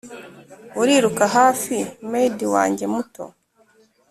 “uriruka hafi, maid wanjye muto,